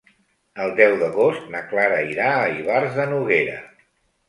El deu d'agost na Clara irà a Ivars de Noguera.